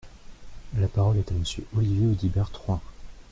La parole est à Monsieur Olivier Audibert Troin.